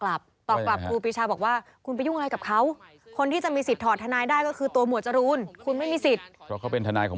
อันนี้ทนายตั้มเผ่าโพสต์นะ